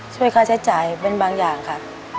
ช่วยค่าใช้จ่ายเป็นบางอย่างค่ะ